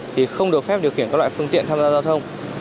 thì không được phép điều khiển các loại phương tiện tham gia giao thông